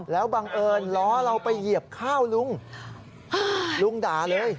แล้วบังเอิญล้อเราไปเหยียบข้าวลุงลุงด่าเลย